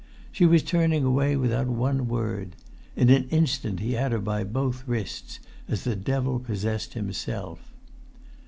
She was turning away without one word. In an instant he had her by both wrists, as the devil possessed himself.